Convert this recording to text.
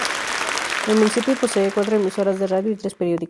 El municipio posee cuatro emisoras de radio y tres periódicos.